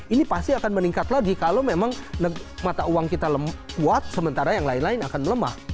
ini pasti akan meningkat lagi kalau memang mata uang kita kuat sementara yang lain lain akan melemah